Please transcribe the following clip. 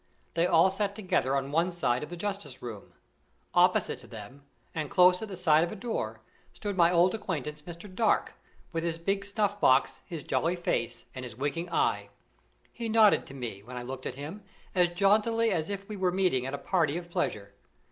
They all sat together on one side of the justice room. Opposite to them and close at the side of a door, stood my old acquaintance, Mr. Dark, with his big snuff box, his jolly face, and his winking eye. He nodded to me, when I looked at him, as jauntily as if we were meeting at a party of pleasure.